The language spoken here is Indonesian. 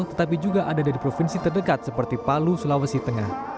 tetapi juga ada dari provinsi terdekat seperti palu sulawesi tengah